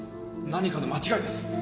何かの間違いです！